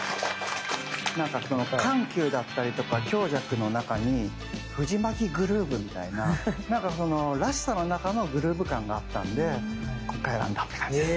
なんか緩急だったりとか強弱の中に藤牧グルーブみたいななんかそのらしさの中のグルーブ感があったんで今回選んだって感じです。